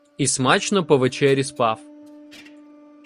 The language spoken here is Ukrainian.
І смачно по вечері спав.